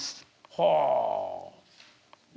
はあ。